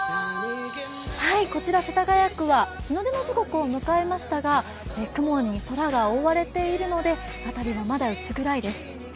こちら世田谷区は日の出の時刻を迎えましたが雲に空が覆われているので、辺りはまだ薄暗いです。